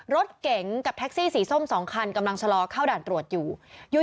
รถเก๋งกับแท็กซี่สีส้ม๒คันกำลังชะลอเข้าด่านตรวจอยู่